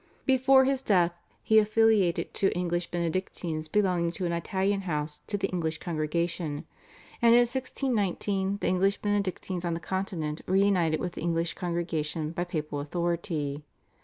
Before his death he affiliated two English Benedictines belonging to an Italian house to the English congregation, and in 1619 the English Benedictines on the Continent were united with the English congregation by papal authority.